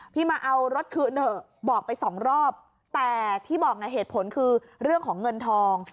พี่มาเอารถคืนเถอะบอกไปสองรอบแต่ที่บอกไงเหตุผลคือเรื่องของเงินทอง